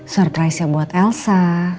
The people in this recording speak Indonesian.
surprisenya buat elsa